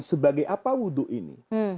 sebagai apa wudhu ini